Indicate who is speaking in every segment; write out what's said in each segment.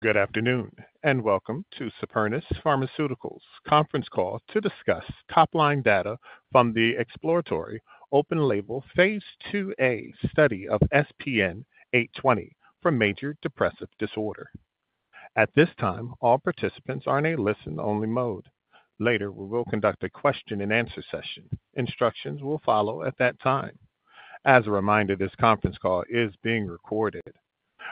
Speaker 1: Good afternoon, and welcome to Supernus Pharmaceuticals' conference call to discuss top-line data from the exploratory open-label Phase 2a study of SPN-820 for major depressive disorder. At this time, all participants are in a listen-only mode. Later, we will conduct a question-and-answer session. Instructions will follow at that time. As a reminder, this conference call is being recorded.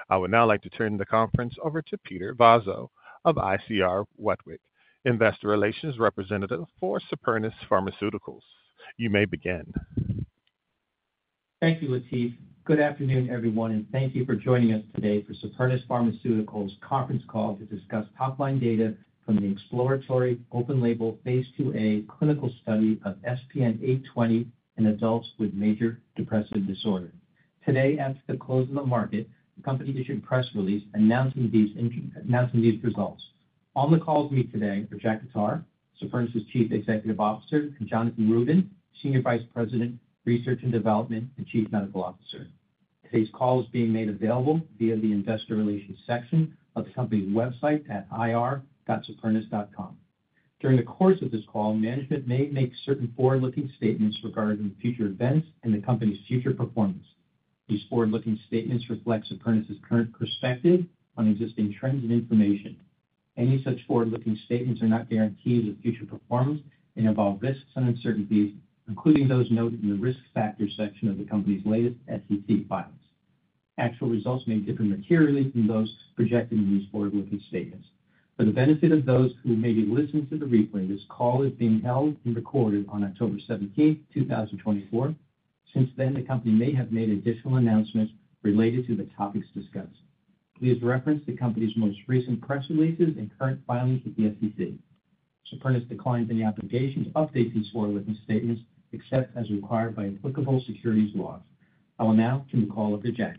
Speaker 1: I would now like to turn the conference over to Peter Vozzo of ICR Westwicke, investor relations representative for Supernus Pharmaceuticals. You may begin.
Speaker 2: Thank you, Latif. Good afternoon, everyone, and thank you for joining us today for Supernus Pharmaceuticals' conference call to discuss top-line data from the exploratory open-label Phase 2a clinical study of SPN-820 in adults with major depressive disorder. Today, after the close of the market, the company issued a press release announcing these results. On the call with me today are Jack Khattar, Supernus' Chief Executive Officer, and Jonathan Rubin, Senior Vice President, Research and Development, and Chief Medical Officer. Today's call is being made available via the investor relations section of the company's website at ir.supernus.com. During the course of this call, management may make certain forward-looking statements regarding future events and the company's future performance. These forward-looking statements reflect Supernus' current perspective on existing trends and information. Any such forward-looking statements are not guarantees of future performance and involve risks and uncertainties, including those noted in the Risk Factors section of the company's latest SEC filings. Actual results may differ materially from those projected in these forward-looking statements. For the benefit of those who may be listening to the replay, this call is being held and recorded on October seventeenth, two thousand and twenty-four. Since then, the company may have made additional announcements related to the topics discussed. Please reference the company's most recent press releases and current filings with the SEC. Supernus declines any obligation to update these forward-looking statements, except as required by applicable securities laws. I will now turn the call over to Jack.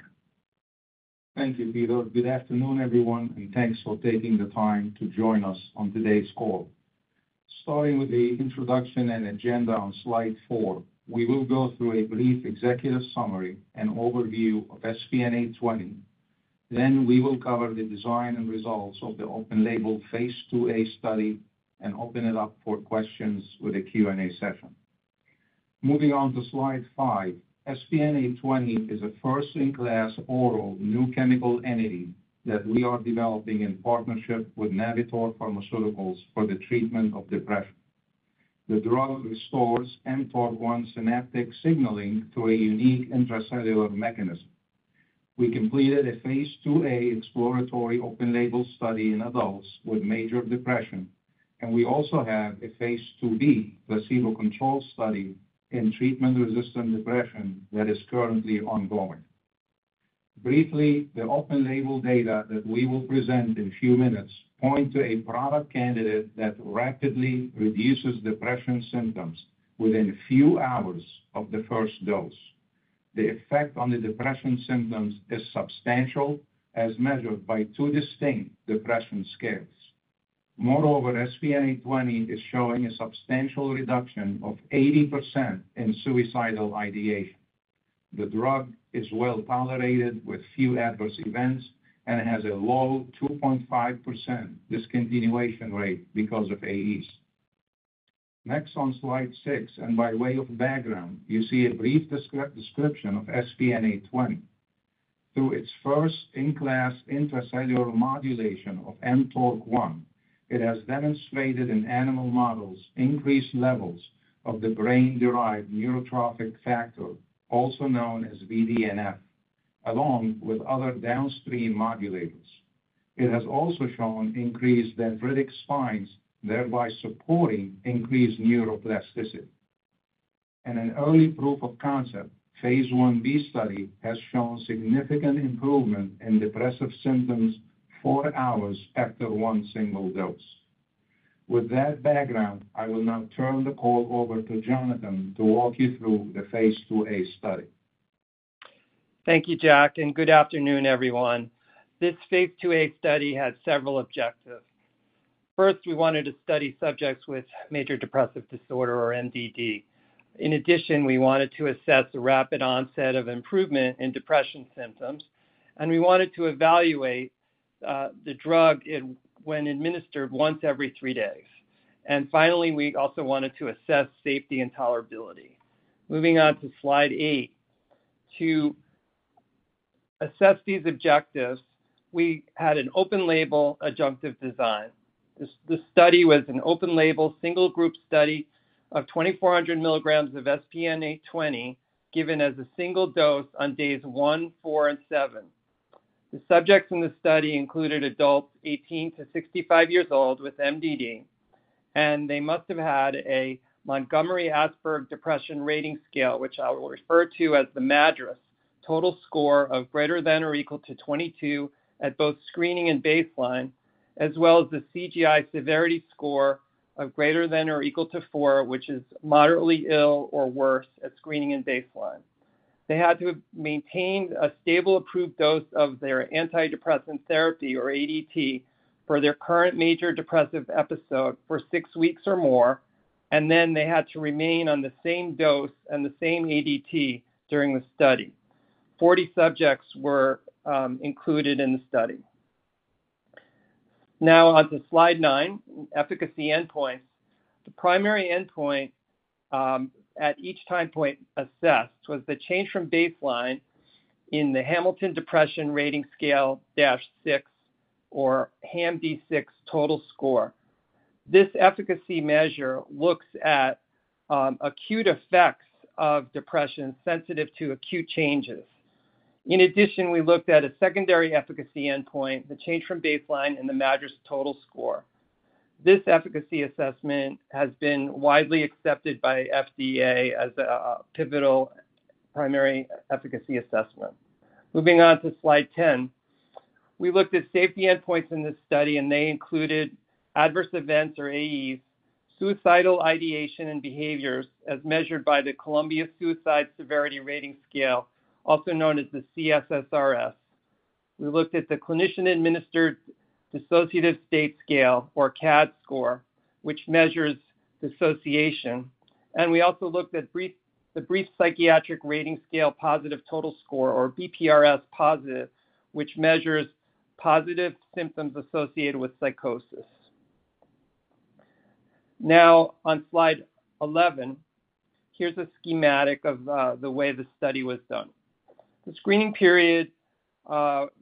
Speaker 3: Thank you, Peter. Good afternoon, everyone, and thanks for taking the time to join us on today's call. Starting with the introduction and agenda on slide four, we will go through a brief executive summary and overview of SPN-820. Then we will cover the design and results of the open-label Phase 2a study and open it up for questions with a Q&A session. Moving on to slide five, SPN-820 is a first-in-class oral new chemical entity that we are developing in partnership with Navitor Pharmaceuticals for the treatment of depression. The drug restores mTORC1 synaptic signaling through a unique intracellular mechanism. We completed a Phase 2a exploratory open-label study in adults with major depression, and we also have a Phase 2b placebo-controlled study in treatment-resistant depression that is currently ongoing. Briefly, the open-label data that we will present in a few minutes point to a product candidate that rapidly reduces depression symptoms within few hours of the first dose. The effect on the depression symptoms is substantial, as measured by two distinct depression scales. Moreover, SPN-820 is showing a substantial reduction of 80% in suicidal ideation. The drug is well-tolerated, with few adverse events and has a low 2.5% discontinuation rate because of AEs. Next, on slide six, and by way of background, you see a brief description of SPN-820. Through its first-in-class intracellular modulation of mTORC1, it has demonstrated in animal models increased levels of the brain-derived neurotrophic factor, also known as BDNF, along with other downstream modulators. It has also shown increased dendritic spines, thereby supporting increased neuroplasticity. In an early proof of concept, Phase 1b study has shown significant improvement in depressive symptoms four hours after one single dose. With that background, I will now turn the call over to Jonathan to walk you through the phase 2a study.
Speaker 4: Thank you, Jack, and good afternoon, everyone. This Phase 2a study had several objectives. First, we wanted to study subjects with major depressive disorder or MDD. In addition, we wanted to assess the rapid onset of improvement in depression symptoms, and we wanted to evaluate the drug when administered once every three days. Finally, we also wanted to assess safety and tolerability. Moving on to Slide 8. To assess these objectives, we had an open-label adjunctive design. This study was an open-label, single-group study of twenty-four hundred milligrams of SPN-820, given as a single dose on days one, four, and seven. The subjects in the study included adults 18 to 65 years old with MDD, and they must have had a Montgomery-Åsberg Depression Rating Scale, which I will refer to as the MADRS, total score of greater than or equal to 22 at both screening and baseline, as well as the CGI Severity Score of greater than or equal to four, which is moderately ill or worse at screening and baseline. They had to have maintained a stable, approved dose of their antidepressant therapy or ADT for their current major depressive episode for six weeks or more, and then they had to remain on the same dose and the same ADT during the study. 40 subjects were included in the study. Now, on to slide 9, Efficacy Endpoints. The primary endpoint at each time point assessed was the change from baseline in the Hamilton Depression Rating Scale-6, or HAM-D6 Total Score. This efficacy measure looks at acute effects of depression sensitive to acute changes. In addition, we looked at a secondary efficacy endpoint, the change from baseline and the MADRS total score. This efficacy assessment has been widely accepted by FDA as a pivotal primary efficacy assessment. Moving on to slide ten. We looked at safety endpoints in this study, and they included adverse events, or AEs, suicidal ideation and behaviors as measured by the Columbia-Suicide Severity Rating Scale, also known as the C-SSRS. We looked at the Clinician-Administered Dissociative States Scale, or CADSS score, which measures dissociation, and we also looked at the Brief Psychiatric Rating Scale, Positive Total Score, or BPRS-Positive, which measures positive symptoms associated with psychosis. Now, on slide eleven, here's a schematic of the way the study was done. The screening period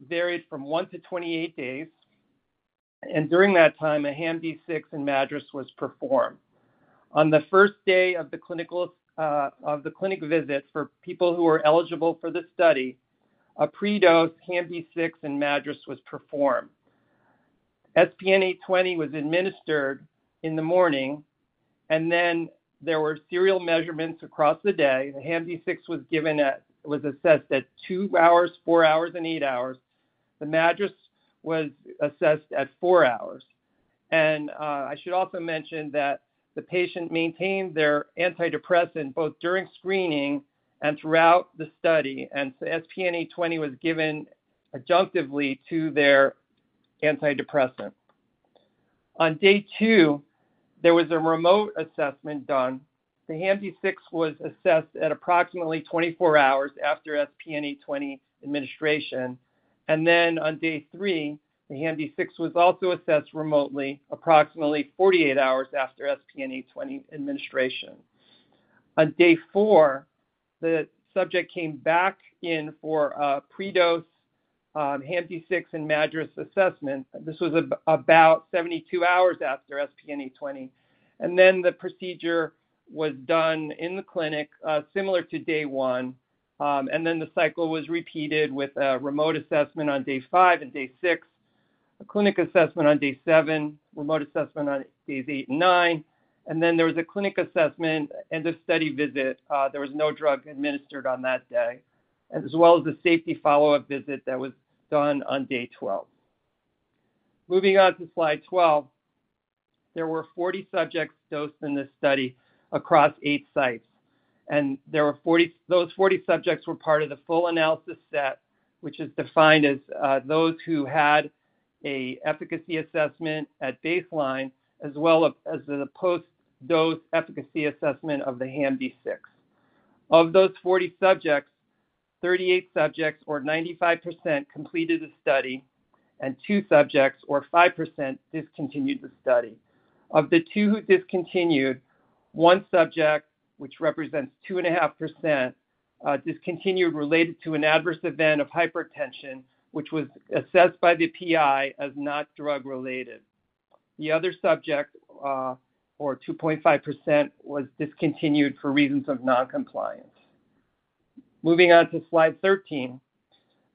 Speaker 4: varied from one to 28 days, and during that time, a HAM-D6 and MADRS was performed. On the first day of the clinic visit for people who were eligible for the study, a pre-dose HAM-D6 and MADRS was performed. SPN-820 was administered in the morning, and then there were serial measurements across the day. The HAM-D6 was assessed at 2 hours, 4 hours, and 8 hours. The MADRS was assessed at 4 hours. I should also mention that the patient maintained their antidepressant both during screening and throughout the study, and SPN-820 was given adjunctively to their antidepressant. On day 2, there was a remote assessment done. The HAM-D6 was assessed at approximately twenty-four hours after SPN-820 administration, and then on day three, the HAM-D6 was also assessed remotely, approximately forty-eight hours after SPN-820 administration. On day four, the subject came back in for a pre-dose, HAM-D6 and MADRS assessment. This was about seventy-two hours after SPN-820, and then the procedure was done in the clinic, similar to day one, and then the cycle was repeated with a remote assessment on day five and day six, a clinic assessment on day seven, remote assessment on days eight and nine, and then there was a clinic assessment and a study visit. There was no drug administered on that day, as well as a safety follow-up visit that was done on day twelve. Moving on to slide twelve. There were forty subjects dosed in this study across eight sites, and there were forty. Those forty subjects were part of the full analysis set, which is defined as those who had a efficacy assessment at baseline, as well as a post-dose efficacy assessment of the HAM-D6. Of those forty subjects, thirty-eight subjects or 95%, completed the study, and two subjects, or 5%, discontinued the study. Of the two who discontinued, one subject, which represents 2.5%, discontinued related to an adverse event of hypertension, which was assessed by the PI as not drug-related. The other subject, or 2.5%, was discontinued for reasons of non-compliance. Moving on to slide 13.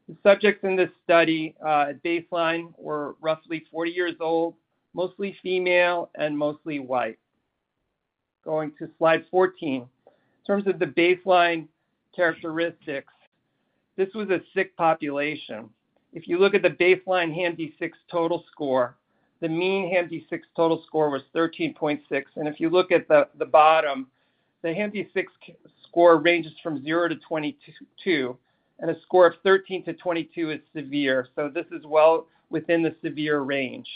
Speaker 4: The subjects in this study at baseline were roughly forty years old, mostly female, and mostly white. Going to slide 14. In terms of the baseline characteristics, this was a sick population. If you look at the baseline HAM-D6 total score, the mean HAM-D6 total score was 13.6, and if you look at the bottom, the HAM-D6 score ranges from 0 to 22, and a score of 13-22 is severe. So this is well within the severe range.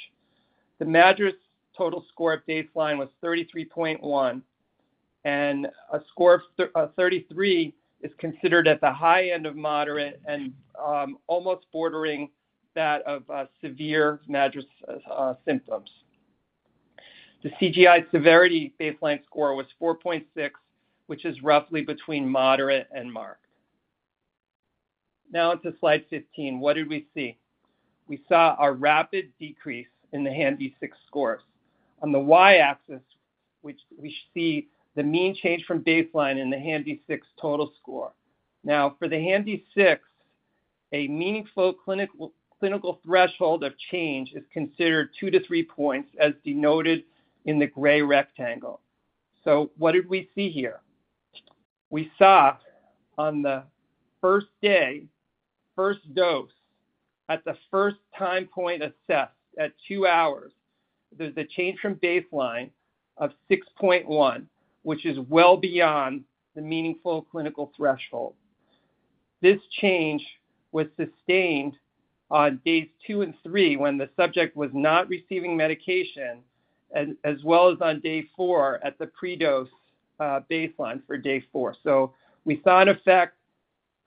Speaker 4: The MADRS total score at baseline was 33.1, and a score of thirty-three is considered at the high end of moderate and almost bordering that of severe MADRS symptoms. The CGI-S baseline score was 4.6, which is roughly between moderate and marked. Now, on to slide 15. What did we see? We saw a rapid decrease in the HAM-D6 scores. On the Y-axis, which we see the mean change from baseline in the HAM-D6 total score. Now, for the HAM-D6, a meaningful clinical threshold of change is considered two to three points, as denoted in the gray rectangle. So what did we see here? We saw on the first day, first dose, at the first time point assessed at two hours, there's a change from baseline of 6.1, which is well beyond the meaningful clinical threshold. This change was sustained on days two and three, when the subject was not receiving medication, and as well as on day four at the pre-dose baseline for day four. So we saw an effect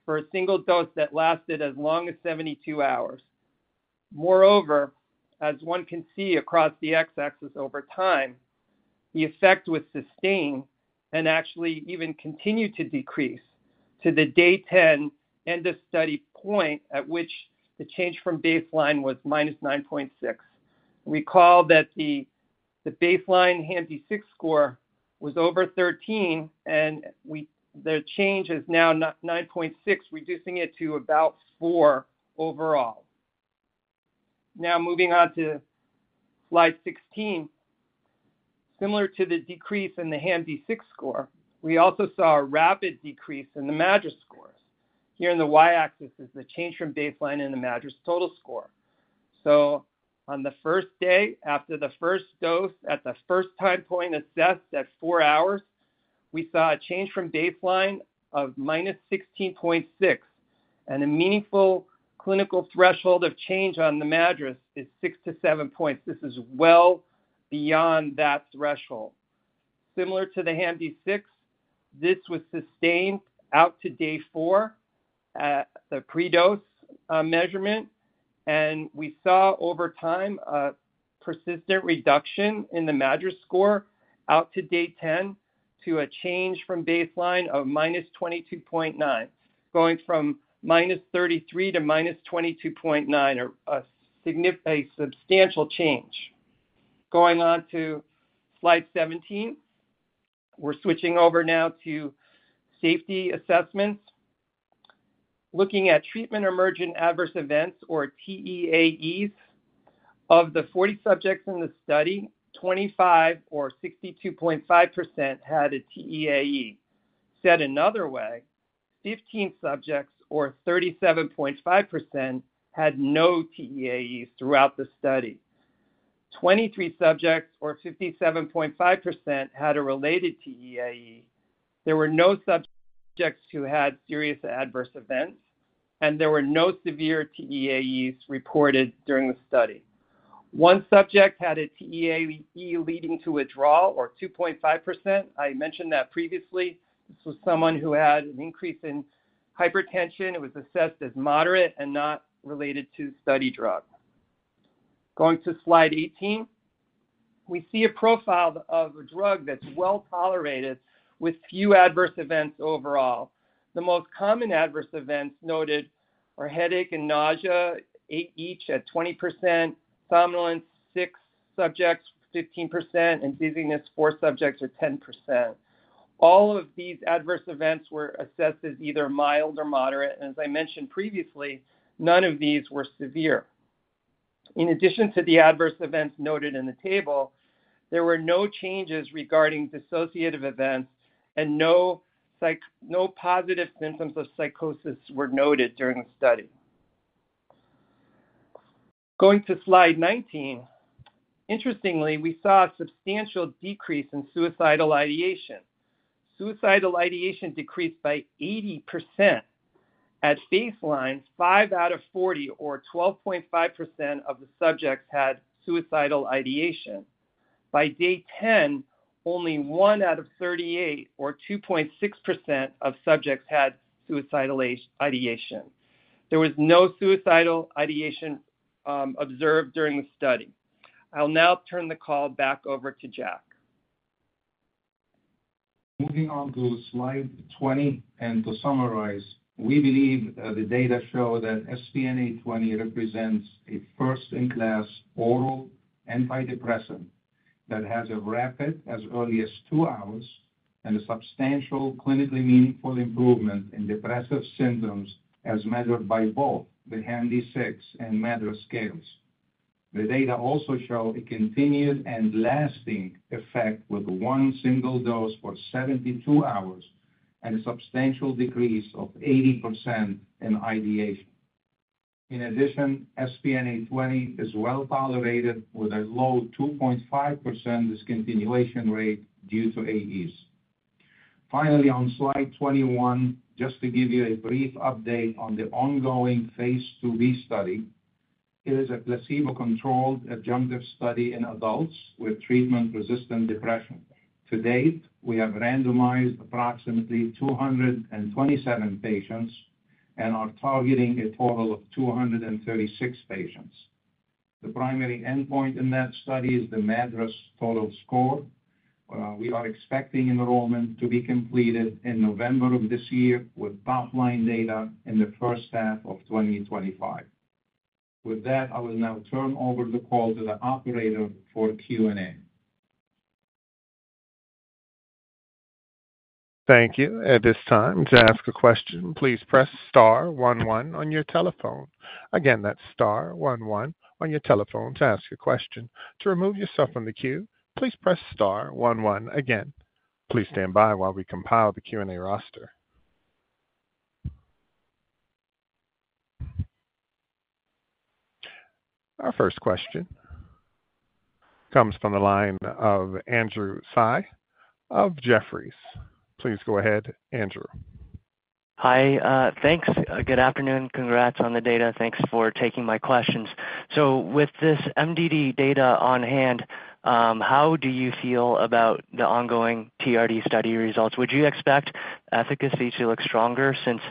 Speaker 4: for a single dose that lasted as long as 72 hours. Moreover, as one can see across the x-axis over time, the effect was sustained and actually even continued to decrease to the day 10 end of study point at which the change from baseline was minus 9.6. Recall that the baseline HAM-D6 score was over 13, and the change is now 9.6, reducing it to about 4 overall. Now, moving on to slide 16. Similar to the decrease in the HAM-D6 score, we also saw a rapid decrease in the MADRS scores. Here in the y-axis is the change from baseline in the MADRS total score. So on the first day, after the first dose, at the first time point assessed at 4 hours, we saw a change from baseline of minus 16.6, and a meaningful clinical threshold of change on the MADRS is 6 to 7 points. This is well beyond that threshold. Similar to the HAM-D6, this was sustained out to day four at the pre-dose measurement, and we saw over time a persistent reduction in the MADRS score out to day 10, to a change from baseline of minus 22.9, going from minus 33 to minus 22.9, a substantial change. Going on to slide 17. We're switching over now to safety assessments. Looking at treatment-emergent adverse events, or TEAEs, of the 40 subjects in the study, 25 or 62.5% had a TEAE. Said another way, 15 subjects, or 37.5%, had no TEAEs throughout the study. 23 subjects, or 57.5%, had a related TEAE. There were no subjects who had serious adverse events, and there were no severe TEAEs reported during the study. One subject had a TEAE leading to withdrawal, or 2.5%. I mentioned that previously. This was someone who had an increase in hypertension. It was assessed as moderate and not related to study drug. Going to slide 18. We see a profile of a drug that's well-tolerated with few adverse events overall. The most common adverse events noted are headache and nausea, each at 20%, somnolence, six subjects, 15%, and dizziness, four subjects or 10%. All of these adverse events were assessed as either mild or moderate, and as I mentioned previously, none of these were severe. In addition to the adverse events noted in the table, there were no changes regarding dissociative events, and no positive symptoms of psychosis were noted during the study. Going to slide 19. Interestingly, we saw a substantial decrease in suicidal ideation. Suicidal ideation decreased by 80%. At baseline, five out of 40, or 12.5% of the subjects, had suicidal ideation. By day ten, only one out of 38, or 2.6% of subjects, had suicidal ideation. There was no suicidal ideation observed during the study. I'll now turn the call back over to Jack.
Speaker 3: Moving on to slide 20, and to summarize, we believe the data show that SPN-820 represents a first-in-class oral antidepressant that has a rapid, as early as two hours, and a substantial clinically meaningful improvement in depressive symptoms as measured by both the HAM-D6 and MADRS scales. The data also show a continued and lasting effect with one single dose for 72 hours and a substantial decrease of 80% in ideation. In addition, SPN-820 is well-tolerated, with a low 2.5% discontinuation rate due to AEs. Finally, on slide 21, just to give you a brief update on the ongoing Phase 2b study, it is a placebo-controlled adjunctive study in adults with treatment-resistant depression. To date, we have randomized approximately 227 patients and are targeting a total of 236 patients. The primary endpoint in that study is the MADRS total score. We are expecting enrollment to be completed in November of this year, with top-line data in the first half of 2025. With that, I will now turn over the call to the operator for Q&A.
Speaker 1: Thank you. At this time, to ask a question, please press star one, one on your telephone. Again, that's star one, one on your telephone to ask a question. To remove yourself from the queue, please press star one, one again. Please stand by while we compile the Q&A roster.... Our first question comes from the line of Andrew Tsai of Jefferies. Please go ahead, Andrew.
Speaker 5: Hi, thanks. Good afternoon. Congrats on the data. Thanks for taking my questions. So with this MDD data on hand, how do you feel about the ongoing TRD study results? Would you expect efficacy to look stronger since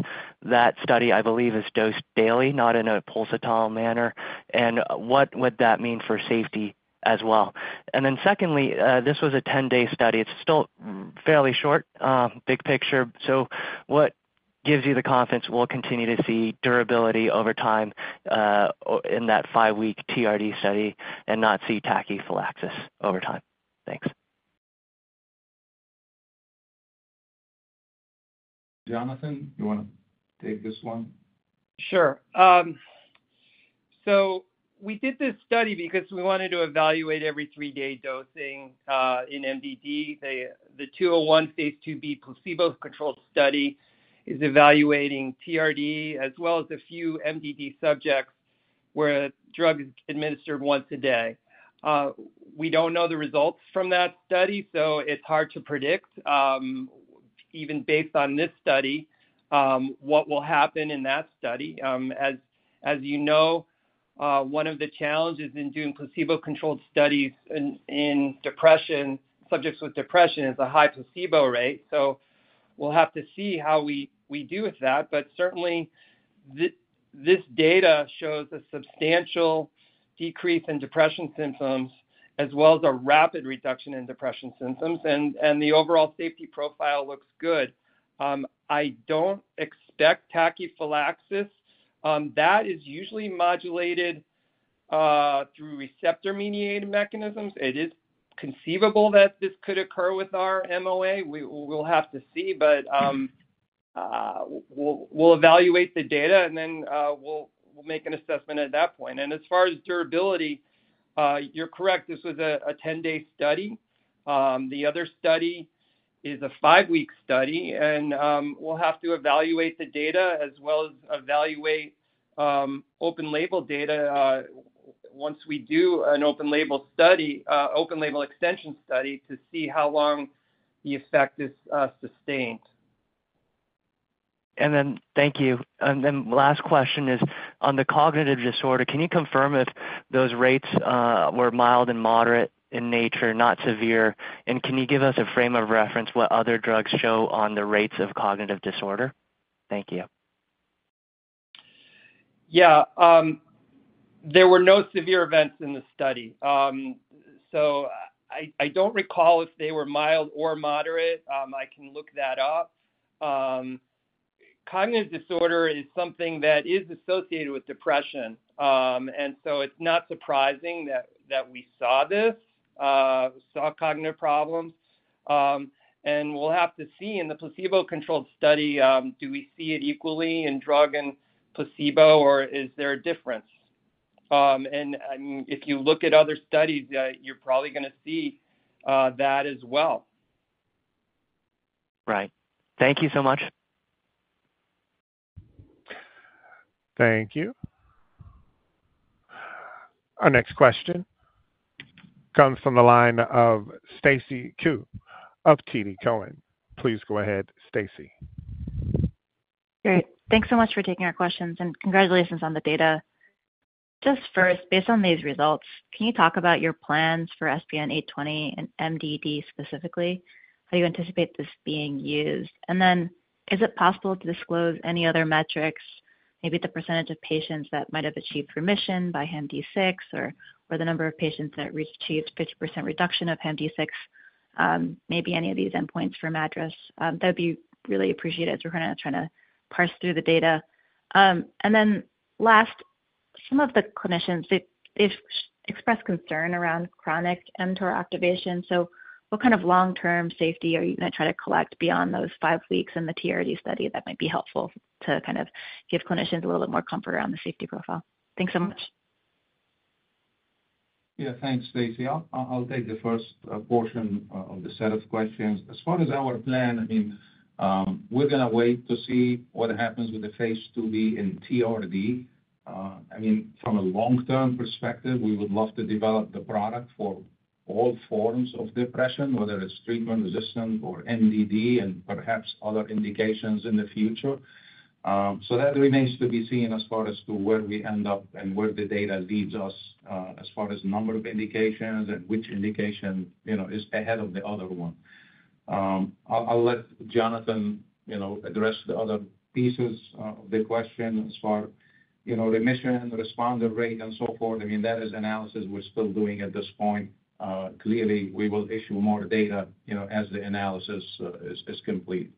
Speaker 5: that study, I believe, is dosed daily, not in a pulsatile manner, and what would that mean for safety as well? And then secondly, this was a 10-day study. It's still fairly short, big picture, so what gives you the confidence we'll continue to see durability over time, in that five-week TRD study and not see tachyphylaxis over time? Thanks.
Speaker 3: Jonathan, you wanna take this one?
Speaker 4: Sure, so we did this study because we wanted to evaluate every three-day dosing in MDD. The 201 Phase 2b placebo-controlled study is evaluating TRD as well as a few MDD subjects, where the drug is administered once a day. We don't know the results from that study, so it's hard to predict, even based on this study, what will happen in that study. As you know, one of the challenges in doing placebo-controlled studies in depression subjects with depression is a high placebo rate, so we'll have to see how we do with that, but certainly, this data shows a substantial decrease in depression symptoms, as well as a rapid reduction in depression symptoms, and the overall safety profile looks good. I don't expect tachyphylaxis. That is usually modulated through receptor-mediated mechanisms. It is conceivable that this could occur with our MOA. We'll have to see, but we'll evaluate the data and then we'll make an assessment at that point. As far as durability, you're correct, this was a ten-day study. The other study is a five-week study, and we'll have to evaluate the data as well as evaluate open label data once we do an open-label study, open-label extension study to see how long the effect is sustained.
Speaker 5: And then thank you. And then last question is, on the cognitive disorder, can you confirm if those rates were mild and moderate in nature, not severe? And can you give us a frame of reference what other drugs show on the rates of cognitive disorder? Thank you.
Speaker 4: Yeah, there were no severe events in the study. So I don't recall if they were mild or moderate. I can look that up. Cognitive disorder is something that is associated with depression. And so it's not surprising that we saw this, saw cognitive problems. And we'll have to see in the placebo-controlled study, do we see it equally in drug and placebo, or is there a difference? And if you look at other studies, you're probably gonna see that as well.
Speaker 5: Right. Thank you so much.
Speaker 1: Thank you. Our next question comes from the line of Stacy Ku of TD Cowen. Please go ahead, Stacy.
Speaker 6: Great. Thanks so much for taking our questions, and congratulations on the data. Just first, based on these results, can you talk about your plans for SPN-820 and MDD, specifically, how you anticipate this being used? And then is it possible to disclose any other metrics, maybe the percentage of patients that might have achieved remission by HAM-D6 or the number of patients that achieved 50% reduction of HAM-D6, maybe any of these endpoints from MADRS? That would be really appreciated as we're kinda trying to parse through the data. And then last, some of the clinicians they've expressed concern around chronic mTOR activation. So what kind of long-term safety are you gonna try to collect beyond those five weeks in the TRD study that might be helpful to kind of give clinicians a little bit more comfort around the safety profile? Thanks so much.
Speaker 3: Yeah, thanks, Stacy. I'll take the first portion of the set of questions. As far as our plan, I mean, we're gonna wait to see what happens with the Phase 2b in TRD. I mean, from a long-term perspective, we would love to develop the product for all forms of depression, whether it's treatment resistant, or MDD and perhaps other indications in the future. So that remains to be seen as far as to where we end up and where the data leads us, as far as number of indications and which indication, you know, is ahead of the other one. I'll let Jonathan, you know, address the other pieces of the question as far, you know, remission, responder rate, and so forth. I mean, that is analysis we're still doing at this point. Clearly, we will issue more data, you know, as the analysis is complete.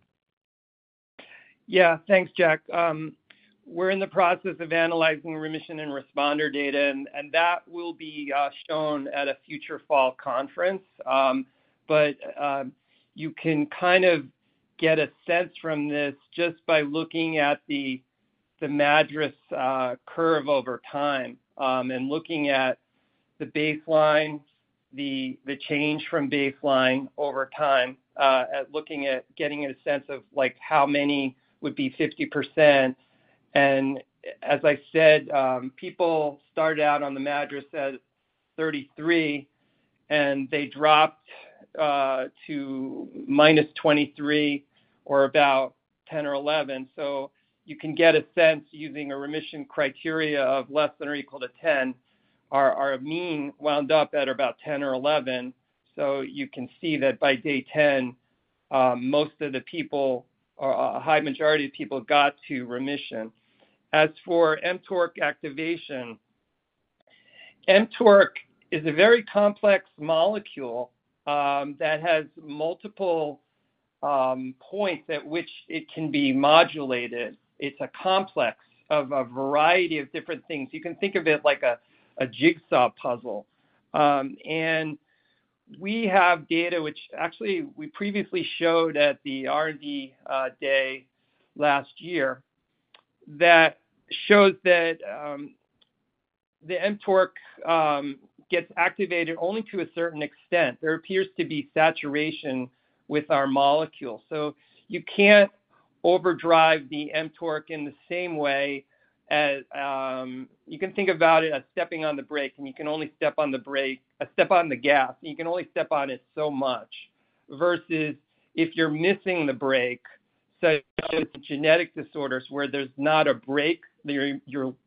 Speaker 4: Yeah. Thanks, Jack. We're in the process of analyzing remission and responder data, and that will be shown at a future fall conference. But you can kind of get a sense from this just by looking at the MADRS curve over time, and looking at the baseline, the change from baseline over time, at looking at getting a sense of like how many would be 50%. And as I said, people started out on the MADRS at thirty-three, and they dropped to minus twenty-three or about ten or eleven. So you can get a sense, using a remission criteria of less than or equal to ten, our mean wound up at about ten or eleven. You can see that by day 10, most of the people or a high majority of people got to remission. As for mTORC activation, mTORC is a very complex molecule that has multiple points at which it can be modulated. It's a complex of a variety of different things. You can think of it like a jigsaw puzzle. We have data which actually we previously showed at the R&D Day last year that shows that the mTORC gets activated only to a certain extent. There appears to be saturation with our molecule, so you can't overdrive the mTORC in the same way as... You can think about it as stepping on the brake, and you can only step on the gas, and you can only step on it so much. Versus if you're missing the brake, so those genetic disorders where there's not a brake, you're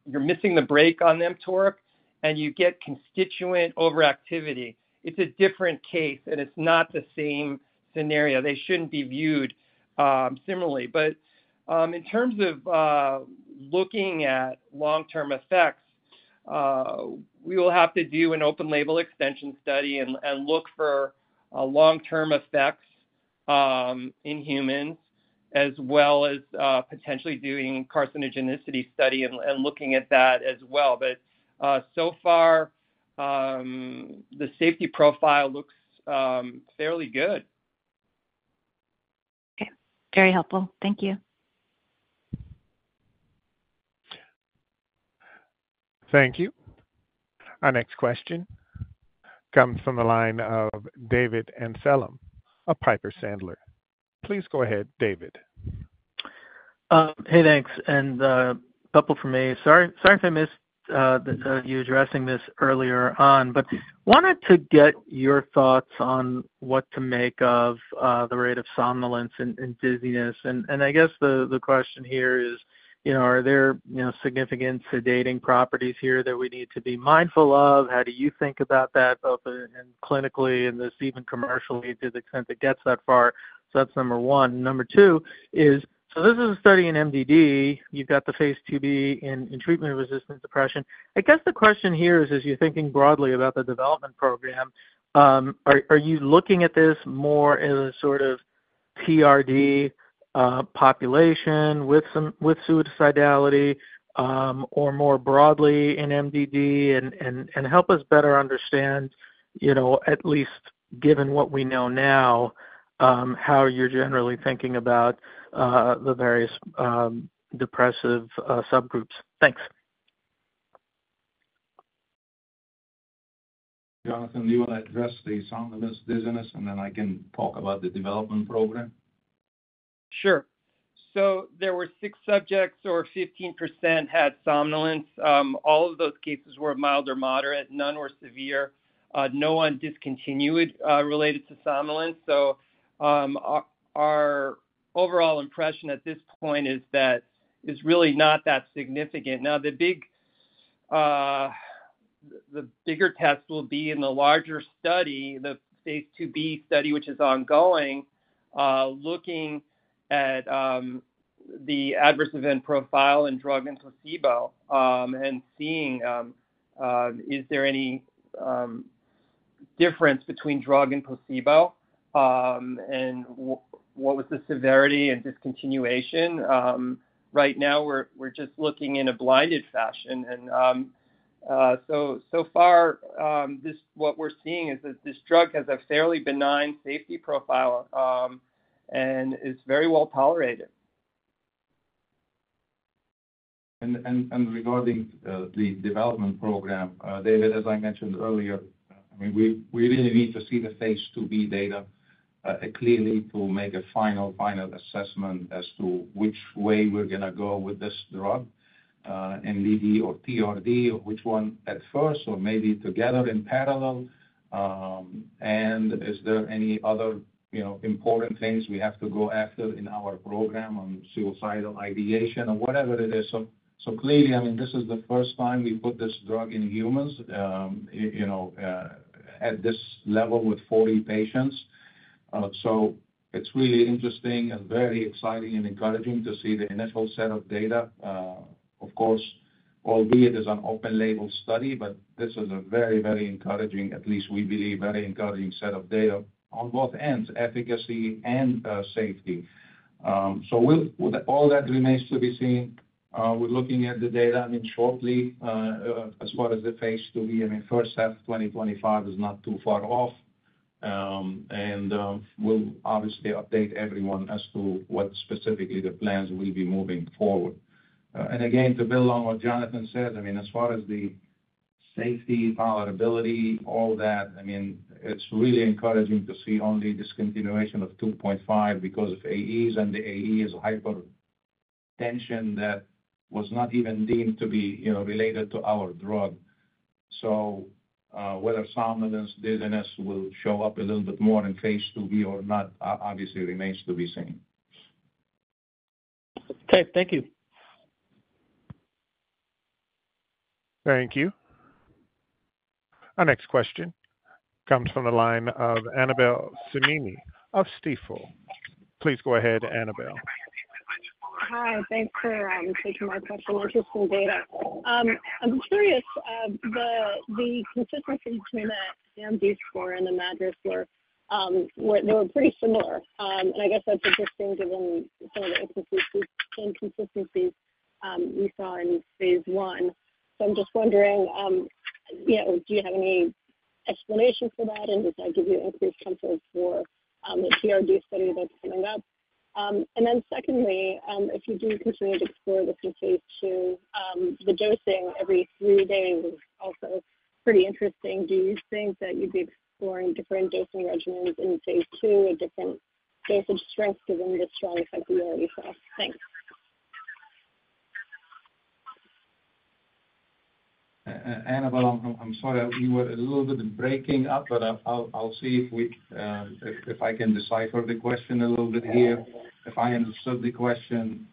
Speaker 4: missing the brake on mTORC, and you get constitutive overactivity. It's a different case, and it's not the same scenario. They shouldn't be viewed similarly. But in terms of looking at long-term effects, we will have to do an open-label extension study and look for long-term effects in humans, as well as potentially doing carcinogenicity study and looking at that as well. But so far, the safety profile looks fairly good.
Speaker 6: Okay, very helpful. Thank you.
Speaker 1: Thank you. Our next question comes from the line of David Amsellem of Piper Sandler. Please go ahead, David.
Speaker 7: Hey, thanks, and couple from me. Sorry if I missed you addressing this earlier on, but wanted to get your thoughts on what to make of the rate of somnolence and dizziness. I guess the question here is, you know, are there, you know, significant sedating properties here that we need to be mindful of? How do you think about that, both clinically and just even commercially, to the extent it gets that far? That's number one. Number two is, this is a study in MDD. You've got the Phase 2b in treatment-resistant depression. I guess the question here is, as you're thinking broadly about the development program, are you looking at this more as a sort of TRD population with suicidality, or more broadly in MDD? Help us better understand, you know, at least given what we know now, how you're generally thinking about the various depressive subgroups. Thanks.
Speaker 3: Jonathan, do you want to address the somnolence, dizziness, and then I can talk about the development program?
Speaker 4: Sure. So there were six subjects, or 15%, had somnolence. All of those cases were mild or moderate. None were severe. No one discontinued it related to somnolence. So our overall impression at this point is that it's really not that significant. Now, the bigger test will be in the larger study, the phase IIb study, which is ongoing looking at the adverse event profile and drug and placebo and seeing is there any difference between drug and placebo and what was the severity and discontinuation. Right now, we're just looking in a blinded fashion and so far what we're seeing is that this drug has a fairly benign safety profile and is very well tolerated.
Speaker 3: Regarding the development program, David, as I mentioned earlier, I mean, we really need to see the phase IIb data clearly to make a final assessment as to which way we're gonna go with this drug, MDD or TRD, or which one at first, or maybe together in parallel. Is there any other, you know, important things we have to go after in our program on suicidal ideation or whatever it is? Clearly, I mean, this is the first time we put this drug in humans, you know, at this level with 40 patients. It's really interesting and very exciting and encouraging to see the initial set of data. Of course, albeit it is an open-label study, but this is a very, very encouraging, at least we believe, very encouraging set of data on both ends, efficacy and safety. So with all that remains to be seen, we're looking at the data, I mean, shortly, as far as the phase IIb, I mean, first half of twenty twenty-five is not too far off, and we'll obviously update everyone as to what specifically the plans will be moving forward. And again, to build on what Jonathan said, I mean, as far as the safety, tolerability, all that, I mean, it's really encouraging to see only discontinuation of 2.5% because of AEs, and the AE is hypertension that was not even deemed to be, you know, related to our drug. Whether somnolence, dizziness will show up a little bit more in phase 2B or not, obviously remains to be seen.
Speaker 7: Okay, thank you.
Speaker 1: Thank you. Our next question comes from the line of Annabel Samimy of Stifel. Please go ahead, Annabel.
Speaker 8: Hi, thanks for taking my question. Interesting data. I'm curious, the consistency between the HAM-D score and the MADRS score, they were pretty similar. And I guess that's interesting given some of the inconsistencies we saw in phase 1. I'm just wondering, you know, do you have any explanation for that, and does that give you increased comfort for the TRD study that's coming up? And then secondly, if you do continue to explore this in phase 2, the dosing every three days is also pretty interesting. Do you think that you'd be exploring different dosing regimens in phase 2, or different dosage strengths to then this trial, like we already saw? Thanks.
Speaker 3: Annabel, I'm sorry. You were a little bit breaking up, but I'll see if we if I can decipher the question a little bit here. If I understood the question,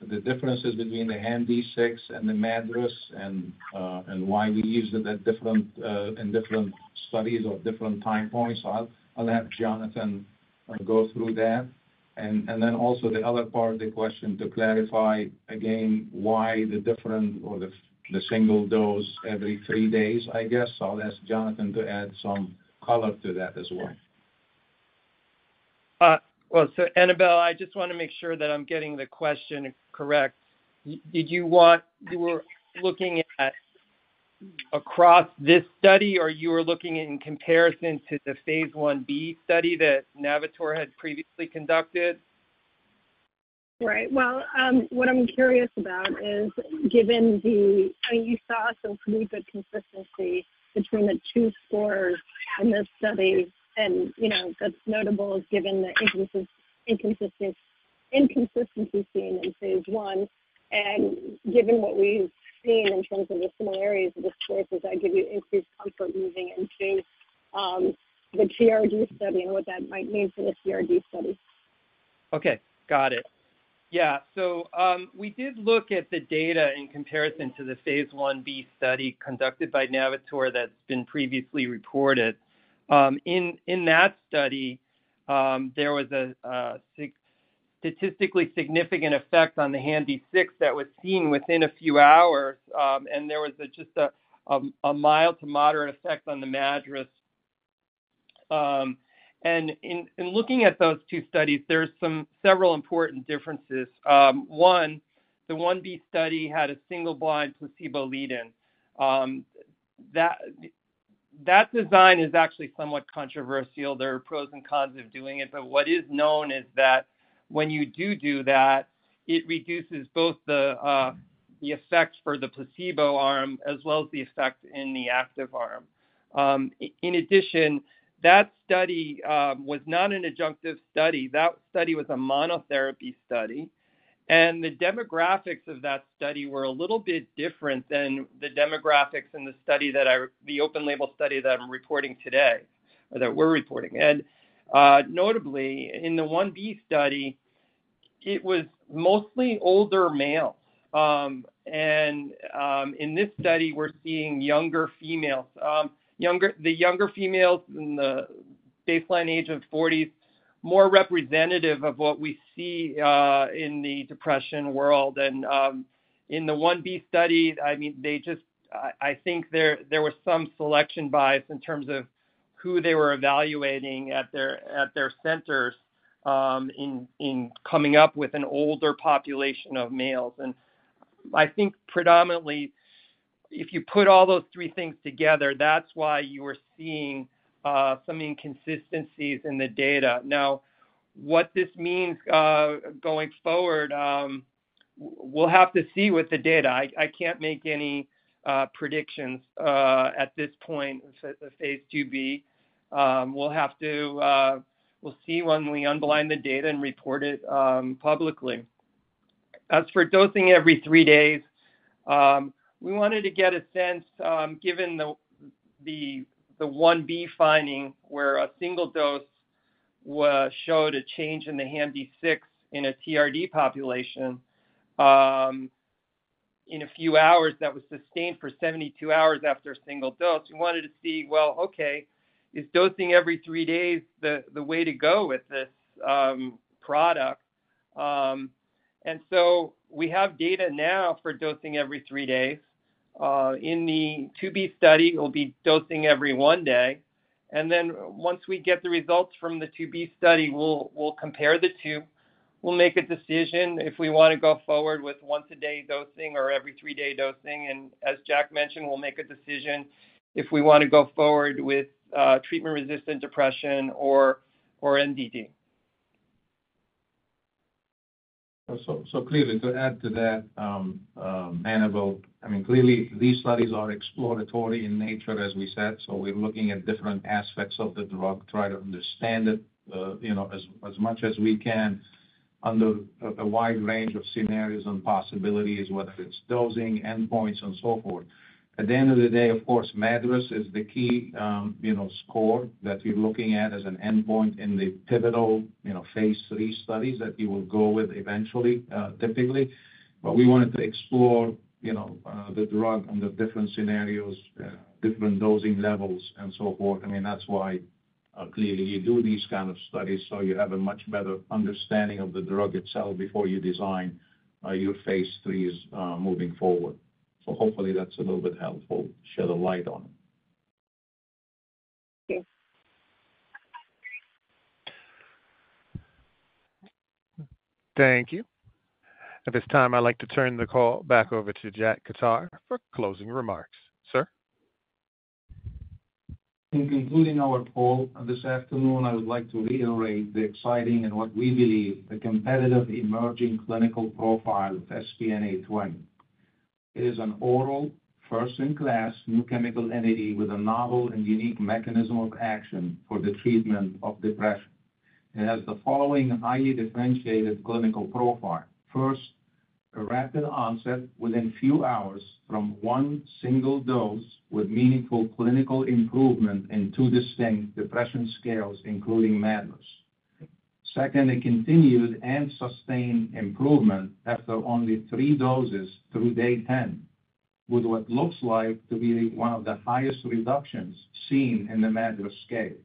Speaker 3: the differences between the HAM-D6 and the MADRS and, and why we used it at different, in different studies or different time points, I'll have Jonathan go through that. And then also the other part of the question, to clarify again, why the different or the the single dose every three days, I guess. I'll ask Jonathan to add some color to that as well.
Speaker 4: Well, so Annabel, I just wanna make sure that I'm getting the question correct. Did you want you were looking at across this study, or you were looking in comparison to the phase 1B study that Navitor had previously conducted?
Speaker 8: Right. What I'm curious about is, given the, you saw some pretty good consistency between the two scores in this study, and, you know, that's notable given the inconsistencies seen in phase 1. And given what we've seen in terms of the similarities of the scores, does that give you increased comfort moving into the TRD study and what that might mean for the TRD study?
Speaker 4: Okay, got it. Yeah, so we did look at the data in comparison to the phase 1B study conducted by Navitor that's been previously reported. In that study, there was a statistically significant effect on the HAM-D6 that was seen within a few hours, and there was just a mild to moderate effect on the MADRS. And in looking at those two studies, there are several important differences. One, the 1B study had a single-blind placebo lead-in. That design is actually somewhat controversial. There are pros and cons of doing it, but what is known is that when you do that, it reduces both the effect for the placebo arm, as well as the effect in the active arm. In addition, that study was not an adjunctive study. That study was a monotherapy study, and the demographics of that study were a little bit different than the demographics in the open-label study that I'm reporting today, or that we're reporting. Notably, in the 1B study, it was mostly older males. In this study, we're seeing younger females. The younger females in the baseline age of forty, more representative of what we see in the depression world. In the 1B study, I mean, they just I think there was some selection bias in terms of who they were evaluating at their centers, in coming up with an older population of males. I think predominantly, if you put all those three things together, that's why you are seeing some inconsistencies in the data. Now, what this means going forward, we'll have to see with the data. I can't make any predictions at this point for the phase 2B. We'll see when we unblind the data and report it publicly. As for dosing every three days, we wanted to get a sense given the 1B finding, where a single dose showed a change in the HAM-D6 in a TRD population in a few hours that was sustained for 72 hours after a single dose. We wanted to see, well, okay, is dosing every three days the way to go with this product? And so we have data now for dosing every three days. In the 2B study, we'll be dosing every other day, and then once we get the results from the 2B study, we'll compare the two. We'll make a decision if we want to go forward with once a day dosing or every three-day dosing. And as Jack mentioned, we'll make a decision if we want to go forward with treatment-resistant depression or MDD.
Speaker 3: Clearly, to add to that, Annabel, I mean, clearly, these studies are exploratory in nature, as we said. We're looking at different aspects of the drug, try to understand it, you know, as much as we can under a wide range of scenarios and possibilities, whether it's dosing, endpoints, and so forth. At the end of the day, of course, MADRS is the key, you know, score that we're looking at as an endpoint in the pivotal, you know, phase three studies that we will go with eventually, typically. We wanted to explore, you know, the drug under different scenarios, different dosing levels, and so forth. I mean, that's why, clearly you do these kind of studies, so you have a much better understanding of the drug itself before you design, your phase threes, moving forward. So hopefully, that's a little bit helpful to shed a light on.
Speaker 4: Thank you.
Speaker 1: Thank you. At this time, I'd like to turn the call back over to Jack Khattar for closing remarks. Sir?
Speaker 3: In concluding our call this afternoon, I would like to reiterate the exciting and what we believe, the competitive emerging clinical profile of SPN-820. It is an oral, first-in-class new chemical entity with a novel and unique mechanism of action for the treatment of depression. It has the following highly differentiated clinical profile. First, a rapid onset within few hours from one single dose, with meaningful clinical improvement in two distinct depression scales, including MADRS. Second, a continued and sustained improvement after only three doses through day 10, with what looks like to be one of the highest reductions seen in the MADRS scale.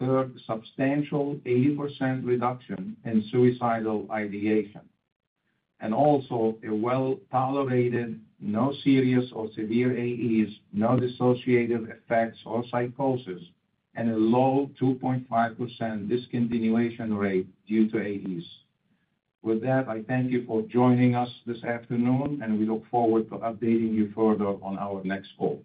Speaker 3: Third, substantial 80% reduction in suicidal ideation, and also a well-tolerated, no serious or severe AEs, no dissociative effects or psychosis, and a low 2.5% discontinuation rate due to AEs. With that, I thank you for joining us this afternoon, and we look forward to updating you further on our next call.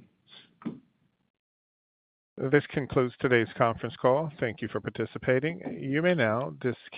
Speaker 1: This concludes today's conference call. Thank you for participating. You may now disconnect.